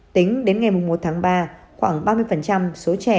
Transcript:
tính đến ngày một tháng ba khoảng ba mươi số trẻ